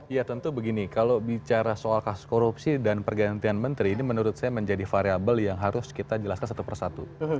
ya tentu begini kalau bicara soal kasus korupsi dan pergantian menteri ini menurut saya menjadi variable yang harus kita jelaskan satu persatu